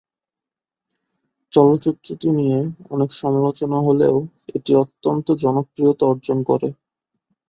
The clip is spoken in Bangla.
চলচ্চিত্রটি নিয়ে অনেক সমালোচনা হলেও এটি অত্যন্ত জনপ্রিয়তা অর্জন করে।